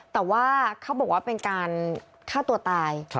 แต่ว่าเขาบอกว่าเป็นการฆ่าตัวตาย